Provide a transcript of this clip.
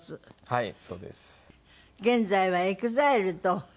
はい。